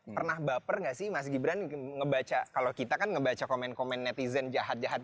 pernah baper nggak sih mas gibran ngebaca kalau kita kan ngebaca komen komen netizen jahat jahat